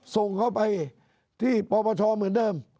ส่งเข้าไปที่ปปชเหมือนเดิม